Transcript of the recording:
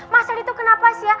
mas al itu kenapa sih ya